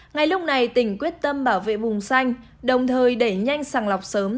ngay lúc này tỉnh quyết tâm bảo vệ vùng xanh đồng thời đẩy nhanh sàng lọc sớm